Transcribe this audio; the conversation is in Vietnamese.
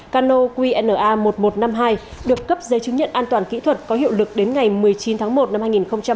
cano qna một nghìn một trăm năm mươi hai được cấp giấy chứng nhận an toàn kỹ thuật có hiệu lực đến ngày một mươi chín tháng một năm hai nghìn hai mươi